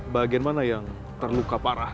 bagian mana yang terluka parah